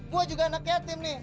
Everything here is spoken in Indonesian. gue juga anak yatim nih